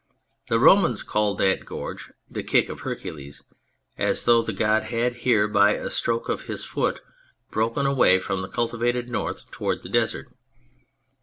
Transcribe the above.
The Romans called that gorge " The Kick of Her cules," as though the god had here by a stroke of his foot broken away from the cultivated north to ward the Desert.